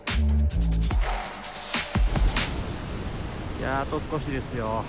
いやあと少しですよ。